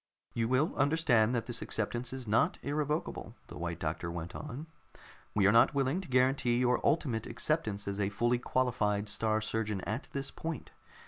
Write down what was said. "You will understand that this acceptance is not irrevocable," the White Doctor went on. "We are not willing to guarantee your ultimate acceptance as a fully qualified Star Surgeon at this point.